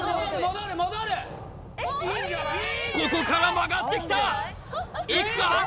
ここから曲がってきたいくか？